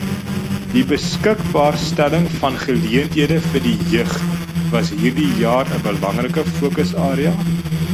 Die beskikbaarstelling van geleenthede vir die jeug was hierdie jaar 'n belangrike fokusarea.